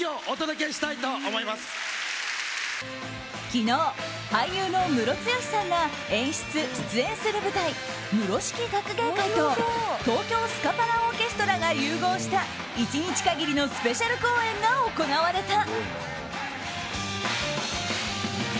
昨日、俳優のムロツヨシさんが演出・出演する舞台「ｍｕｒｏ式．がくげいかい」と東京スカパラダイスオーケストラが融合した１日限りのスペシャル公演が行われた。